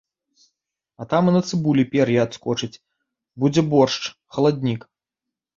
А там і на цыбулі пер'е адскочыць, будзе боршч, халаднік.